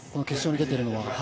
決勝に出ているのは。